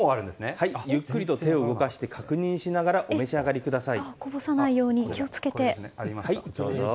ゆっくりと手を動かして確認しながらこぼさないように気を付けて。